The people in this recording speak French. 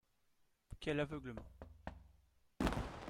Quel aveuglement